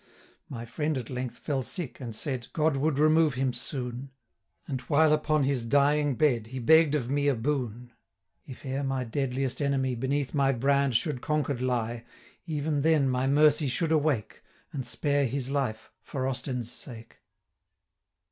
200 My friend at length fell sick, and said, God would remove him soon: And, while upon his dying bed, He begg'd of me a boon If e'er my deadliest enemy 205 Beneath my brand should conquer'd lie, Even then my mercy should awake, And spare his life for Austin's sake.